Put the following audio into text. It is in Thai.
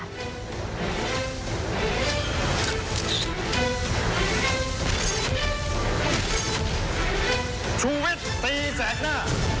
ชูวิทย์ตีแสกหน้า